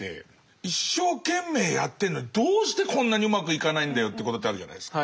一生懸命やってんのにどうしてこんなにうまくいかないんだよってことってあるじゃないですか。